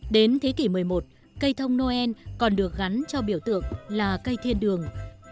đến thế kỷ một mươi một cây thông noel còn được gắn cho biểu tượng là cây thiên đường